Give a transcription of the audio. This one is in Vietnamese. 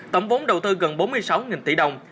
tổng vốn đầu tư gần bốn mươi sáu tỷ đồng